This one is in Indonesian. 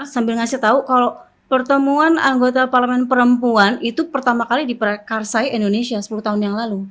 sambil ngasih tau kalau pertemuan anggota parlemen perempuan itu pertama kali diperkarsai indonesia sepuluh tahun yang lalu